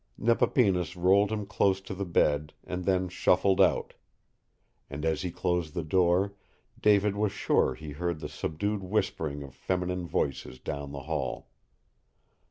Nepapinas rolled him close to the bed and then shuffled out, and as he closed the door, David was sure he heard the subdued whispering of feminine voices down the hall.